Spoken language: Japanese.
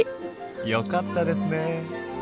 よかったですね。